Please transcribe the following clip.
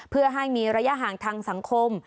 เพื่อรัยฐานทางสังคม